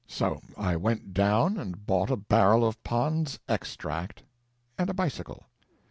So I went down and bought a barrel of Pond's Extract and a bicycle.